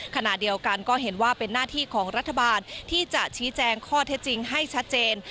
ขณะเดียวกันก็เห็นว่าเป็นหน้าที่ของรัฐบาลที่จะชี้แจงข้อเท็จจริงให้ชัดเจน